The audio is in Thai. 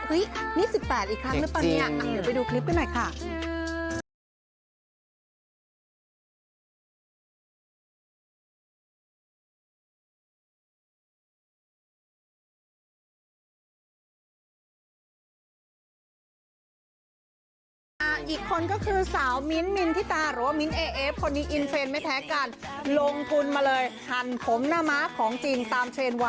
นี่๑๘อีกครั้งหรือเปล่าเนี่ยเดี๋ยวไปดูคลิปกันหน่อยค่ะ